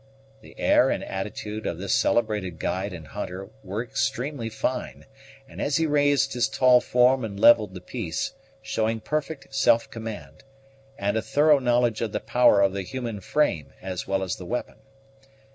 The air and attitude of this celebrated guide and hunter were extremely fine, as he raised his tall form and levelled the piece, showing perfect self command, and a through knowledge of the power of the human frame as well as of the weapon.